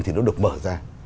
thì nó được mở ra